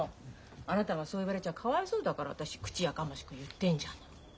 あなたがそう言われちゃかわいそうだから私口やかましく言ってんじゃない。